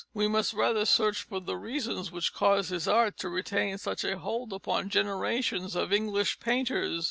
We must rather search for the reasons which caused his art to retain such a hold upon generations of English painters.